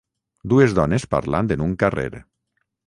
Dues dones parlant en un carrer.